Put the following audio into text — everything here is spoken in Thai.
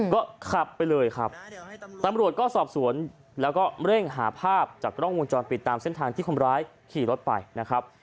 ก็ขับไปเลยครับตำรวจก็สอบสวนแล้วก็เร่งหาภาพจากกล้องวงจรปิดตามเส้นทางที่คนร้ายขี่รถไปนะครับ